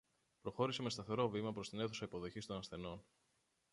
Προχώρησε με σταθερό βήμα προς την αίθουσα υποδοχής των ασθενών